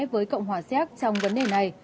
với cộng hòa siếc trong vấn đề này